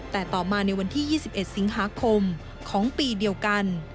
แต่ต่อมาในวันที่๒๑สิงหาคมของปีเดียวกัน